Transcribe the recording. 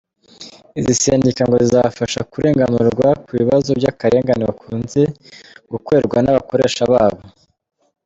Izi sendika ngo zizabafasha kurenganurwa ku bibazo by’akarengane bakunze gukorerwa n’abakoresha babo.